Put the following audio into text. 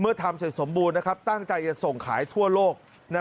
เมื่อทำเสร็จสมบูรณ์นะครับตั้งใจจะส่งขายทั่วโลก